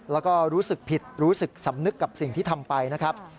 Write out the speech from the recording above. แล้วก็รู้สึกผิดรู้สึกสำนึกกับสิ่งที่ทำไปนะครับ